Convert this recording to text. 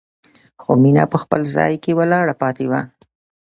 خو مينه په خپل ځای کې ولاړه پاتې وه.